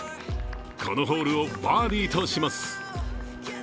このホールをバーディーとします。